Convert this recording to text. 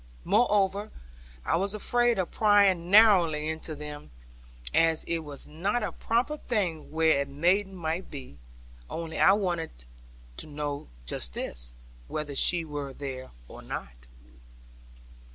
Moreover I was afraid of prying narrowly into them, as it was not a proper thing where a maiden might be; only I wanted to know just this, whether she were there or not.